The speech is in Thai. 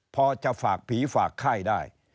พอจะฝากผีฝากค่ายได้